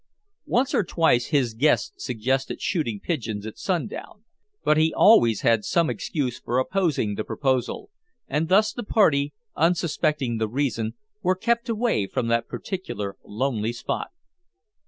Once or twice his guests suggested shooting pigeons at sundown, but he always had some excuse for opposing the proposal, and thus the party, unsuspecting the reason, were kept away from that particular lonely spot.